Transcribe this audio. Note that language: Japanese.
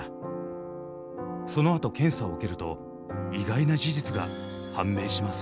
そのあと検査を受けると意外な事実が判明します。